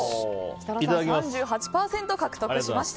設楽さん、３８％獲得しました。